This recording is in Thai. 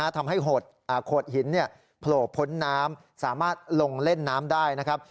ทำให้โขดหินโผล่พ้นน้ำสามารถลงเล่นน้ำได้นะครับ